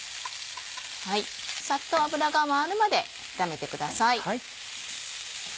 サッと油が回るまで炒めてください。